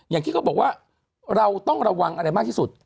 อย่างที่เขาบอกว่าเราต้องระวังอะไรมากที่สุด